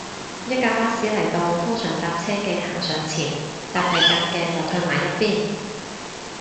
一架巴士嚟到，通常搭車嘅行上前，搭第架嘅就褪埋一邊